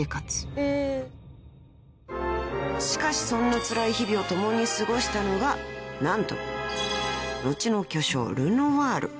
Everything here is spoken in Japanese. ［しかしそんなつらい日々を共に過ごしたのが何と後の巨匠ルノワール］